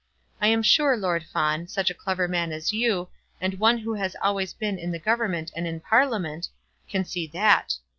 I am sure, Lord Fawn, such a clever man as you, and one who has always been in the Government and in Parliament, can see that.